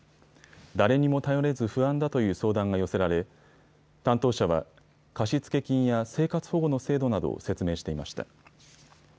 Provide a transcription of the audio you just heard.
誰にも頼れず不安だという相談が寄せられ担当者は貸付金や生活保護の制度などを説明していました。